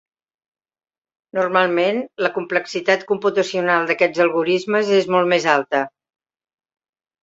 Normalment, la complexitat computacional d'aquests algorismes és molt més alta.